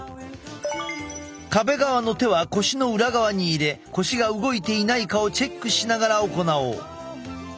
壁側の手は腰の裏側に入れ腰が動いていないかをチェックしながら行おう。